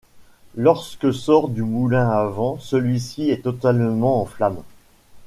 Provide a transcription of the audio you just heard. Lorsque sort du moulin à vent, celui-ci est totalement en flammes.